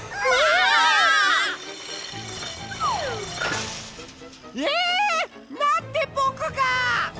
あぷ！え！？なんでぼくが！？